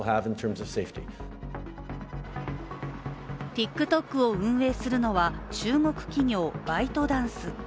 ＴｉｋＴｏｋを運営するのは中国企業バイトダンス。